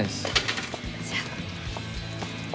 じゃあ。